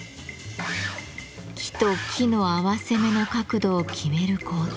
木と木の合わせ目の角度を決める工程。